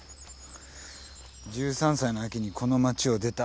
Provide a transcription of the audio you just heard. １３歳の秋にこの町を出た。